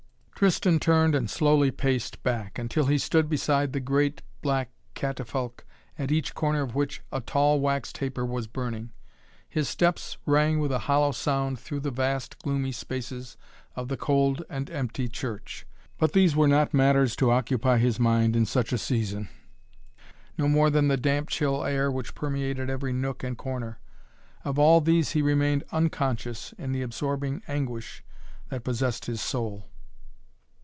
Tristan turned and slowly paced back, until he stood beside the great, black catafalque, at each corner of which a tall wax taper was burning. His steps rang with a hollow sound through the vast, gloomy spaces of the cold and empty church. But these were not matters to occupy his mind in such a season, no more than the damp, chill air which permeated every nook and corner. Of all of these he remained unconscious in the absorbing anguish that possessed his soul.